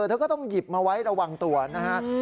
เธอก็ต้องหยิบมาไว้ระวังตัวนะฮะ